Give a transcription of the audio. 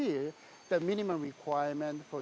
kebutuhan minimum untuk standar euro empat